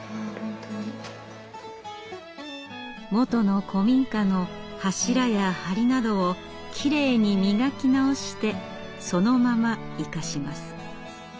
もとの古民家の柱や梁などをきれいに磨き直してそのまま生かします。